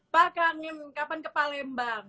pak kanim kapan ke palembang